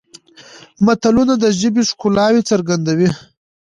متلونه د ژبې ښکلاوې څرګندوي